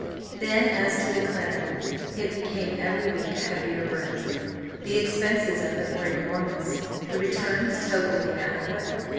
Then as to the Clarion, it became every week a heavier burden. The expenses of it were enormous; the returns totally inadequate.